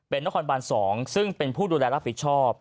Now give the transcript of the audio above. เป็นผู้ดูแลรับผิดชอบ